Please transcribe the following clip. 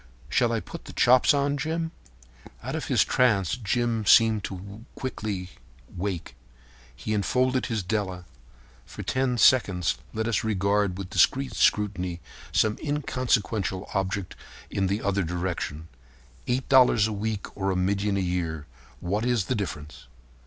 Shall I put the chops on, Jim?" Out of his trance Jim seemed quickly to wake. He enfolded his Della. For ten seconds let us regard with discreet scrutiny some inconsequential object in the other direction. Eight dollars a week or a million a year—what is the difference?